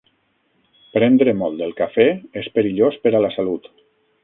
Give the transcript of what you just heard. Prendre molt el cafè és perillós per a la salut.